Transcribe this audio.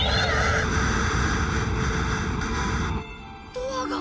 ドアが。